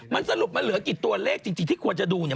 มันสรุปมันเหลือกี่ตัวเลขจริงที่ควรจะดูเนี่ย